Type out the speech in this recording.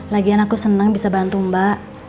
lagian aku senang bisa bantu mbak